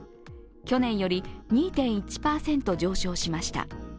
去年より２．１％上昇しました。